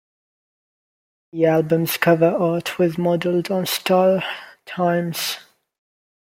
The album's cover art was modeled on "Star Time"'s.